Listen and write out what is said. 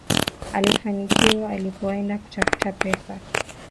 Alifanikiwa alipoenda kutafuta pesa